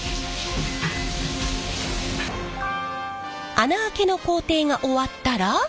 穴あけの工程が終わったら。